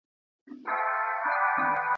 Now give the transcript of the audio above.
تاريخ ليکونکي ويلي چي بايد بې پرې اوسو.